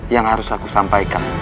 yang harus aku sampaikan